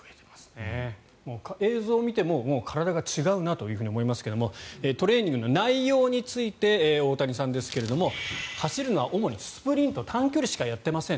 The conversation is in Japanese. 映像を見ても体が違うなと思いますがトレーニングの内容について大谷さんですが走るのは主にスプリント短距離しかやっていません。